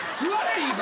いいか？